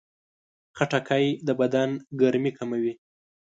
خټکی د بدن ګرمي کموي.